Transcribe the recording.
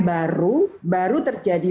baru baru terjadi